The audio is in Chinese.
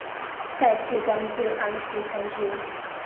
在晋官至安西参军。